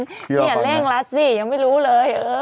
เฎะเล่งลันสิยังไม่รู้เลย